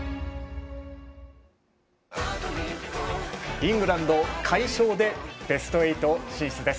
イングランド快勝でベスト８進出です。